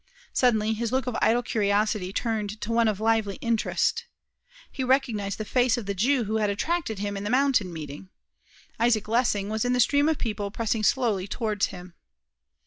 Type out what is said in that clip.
Suddenly his look of idle curiosity changed to one of lively interest. He recognized the face of the Jew who had attracted him in the mountain meeting. Isaac Lessing was in the stream of people pressing slowly towards him.